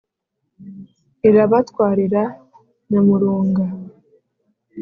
irabatwarira nyamurunga.